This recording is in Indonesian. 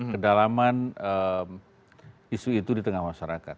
kedalaman isu itu di tengah masyarakat